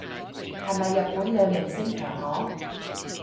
係咪日本女明星強項